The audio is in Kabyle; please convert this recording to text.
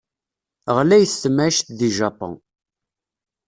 Ɣlayet temɛict di Japan.